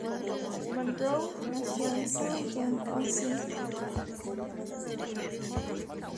Monroe nació en Southend-on-Sea.